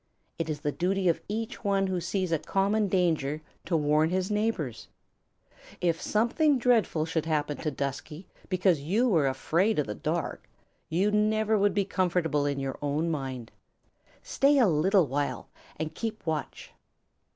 It is the duty of each one who sees a common danger to warn his neighbors. If something dreadful should happen to Dusky because you were afraid of the dark, you never would be comfortable in your own mind. Stay a little while and keep watch."